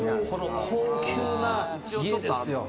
高級な家ですよ。